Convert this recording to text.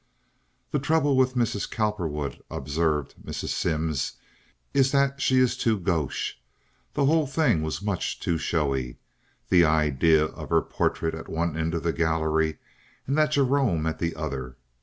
"The trouble with Mrs. Cowperwood," observed Mrs. Simms, "is that she is too gauche. The whole thing was much too showy. The idea of her portrait at one end of the gallery and that Gerome at the other!